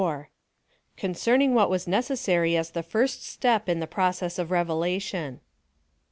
CONCERNING WHAT WAS NECESSARY AS THE FIRST STEP IN THE PROCESS OF REVELATION.